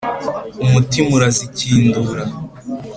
Umutima urazikindura